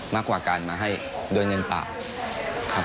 มากกว่าการมาให้โดยเงินปาก